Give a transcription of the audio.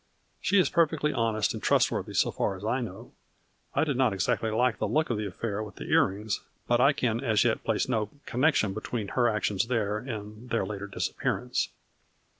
She is perfectly honest and trustworthy so far as I know. I did not exactly like the look of the affair with the earrings, but I can as yet place no connec tion between her actions there and their later disappearance."